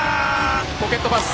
ポケットパス。